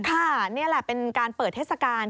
นี่แหละเป็นการเปิดเทศกาล